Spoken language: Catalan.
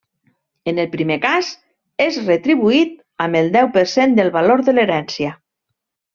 En el primer cas, és retribuït amb el deu per cent del valor de l'herència.